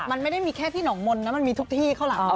มันไม่ได้มีแค่ที่หนองมนต์นะมันมีทุกที่เข้าหลัง